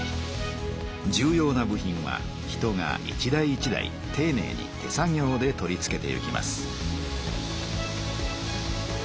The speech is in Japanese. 重要な部品は人が一台一台ていねいに手作業で取り付けていきます。